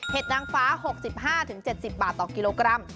นางฟ้า๖๕๗๐บาทต่อกิโลกรัม